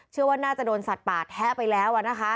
เชื่อว่าน่าจะโดนสัตว์ป่าแทะไปแล้ว